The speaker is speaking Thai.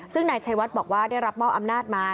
ซึ่งนายชัยวัดบอกว่าได้รับมอบอำนาจมา